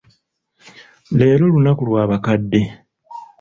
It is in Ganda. Leero lunaku lw'abakadde.